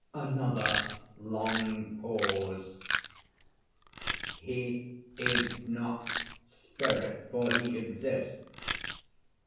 [Another long pause.] He is not spirit, for he exists.